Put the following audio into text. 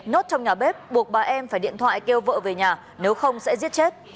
nốt trong nhà bếp buộc bà em phải điện thoại kêu vợ về nhà nếu không sẽ giết chết